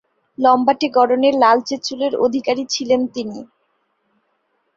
লম্বাটে গড়নের লালচে চুলের অধিকারী ছিলেন তিনি।